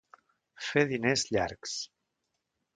Fer diners llargs.